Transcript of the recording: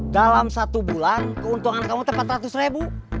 dalam satu bulan keuntungan kamu itu empat ratus ribu